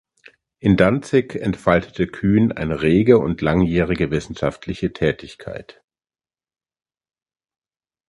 In Danzig entfaltete Kühn eine rege und langjährige wissenschaftliche Tätigkeit.